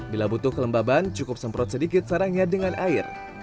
bila butuh kelembaban cukup semprot sedikit sarangnya dengan air